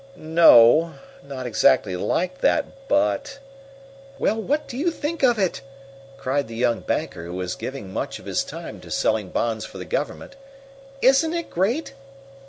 "No, not exactly like that But " "Well, what do you think of it?" cried the young banker, who was giving much of his time to selling bonds for the Government. "Isn't it great?"